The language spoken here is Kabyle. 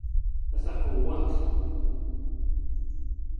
A taqewwadt!